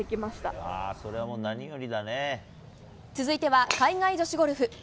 続いては海外女子ゴルフ。